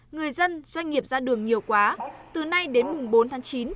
người dân doanh nghiệp ra đường nhiều quá từ nay đến mùng bốn tháng chín